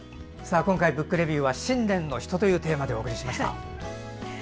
今回「ブックレビュー」は「信念の人」というテーマでお送りしました。